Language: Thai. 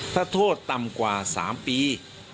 ถ้าโทษต่ำกว่า๓ปี